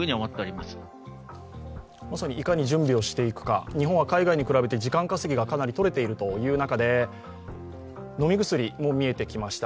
まさにいかに準備をしていくか、日本は海外に比べて時間稼ぎがかなりとれているという中で、飲み薬も見えてきました。